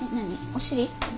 お尻？